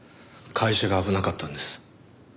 会社が危なかったんです。